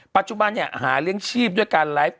ปัจจุบันเนี่ยหาเลี้ยงชีพด้วยการไลฟ์